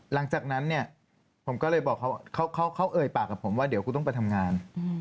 หลังจากนั้นเนี่ยผมก็เลยบอกเขาเอ่ยปากกับผมว่าเดี๋ยวกูต้องไปทำงาน